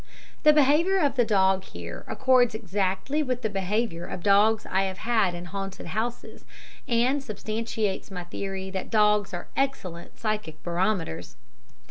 The behaviour of the dog here accords exactly with the behaviour of dogs I have had in haunted houses, and substantiates my theory that dogs are excellent psychic barometers.